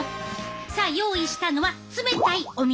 さあ用意したのは冷たいお水。